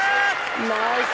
ナイス！